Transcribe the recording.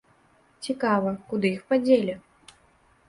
Цікава, куды іх падзелі?